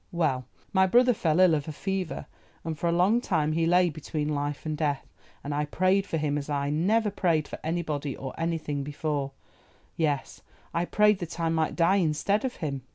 Well, my brother fell ill of a fever, and for a long time he lay between life and death, and I prayed for him as I never prayed for anybody or anything before—yes, I prayed that I might die instead of him.